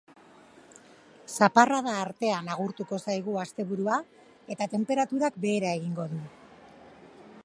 Zaparrada artean agurtuko zaigu asteburua eta tenperaturak behera egingo du.